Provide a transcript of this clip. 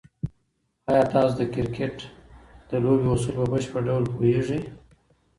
آیا تاسو د کرکټ د لوبې اصول په بشپړ ډول پوهېږئ؟